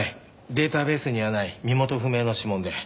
データベースにはない身元不明の指紋で。